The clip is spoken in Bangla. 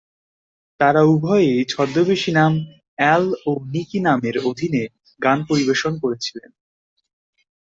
তারা উভয়েই ছদ্মবেশী নাম "অ্যাল ও নিকি" নামের অধীনে গান পরিবেশন করেছিলেন।